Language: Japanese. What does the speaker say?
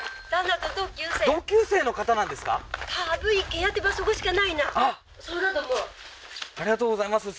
たぶんありがとうございます